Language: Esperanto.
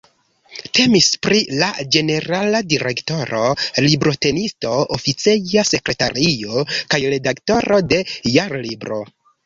Temis pri la ĝenerala direktoro, librotenisto, oficeja sekretario kaj redaktoro de Jarlibro.